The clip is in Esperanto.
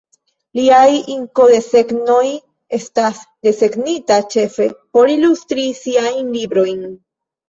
Liaj inkodesegnoj estis desegnita ĉefe por ilustri siajn librojn.